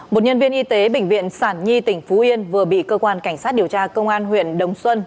một nhân viên y tế bệnh viện sản nhi tỉnh phú yên vừa bị cơ quan cảnh sát điều tra công an huyện đồng xuân